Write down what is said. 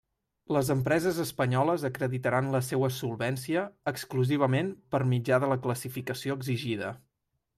Les empreses espanyoles acreditaran la seua solvència, exclusivament, per mitjà de la classificació exigida.